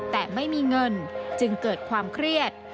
แต่ไม่มีเงินจึงเกิดความเครียด